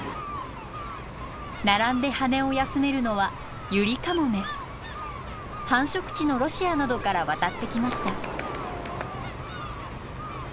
並んで羽を休めるのは繁殖地のロシアなどから渡ってきました。